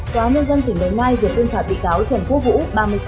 tòa nhân dân tỉnh đồng nai vừa tuyên phạt bị cáo trần quốc vũ ba mươi sáu tuổi